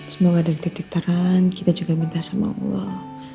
semoga dari titik terang kita juga minta sama allah